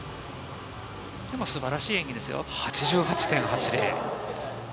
でも素晴らしい演技ですよ。